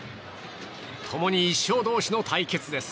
共に１勝同士の対決です。